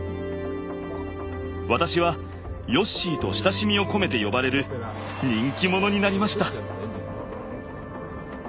私はヨッシーと親しみを込めて呼ばれる人気者になりました。